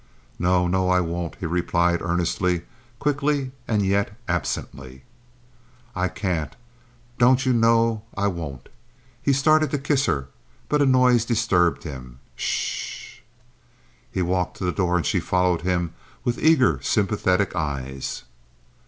"No, no, I won't!" he replied earnestly, quickly and yet absently. "I can't! Don't you know I won't?" He had started to kiss her, but a noise disturbed him. "Sh!" He walked to the door, and she followed him with eager, sympathetic eyes.